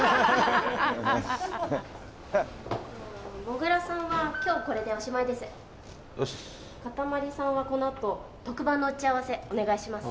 もぐらさんは今日はこれでおしまいですうっすかたまりさんはこのあと特番の打ち合わせお願いします